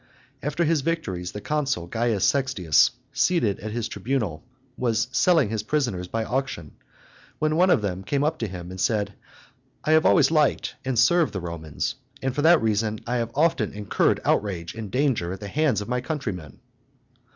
After his victories, the consul C. Sextius, seated at his tribunal, was selling his prisoners by auction, when one of them came up to him and said, "I have always liked and served the Romans; and for that reason I have often incurred outrage and danger at the hands of my countrymen."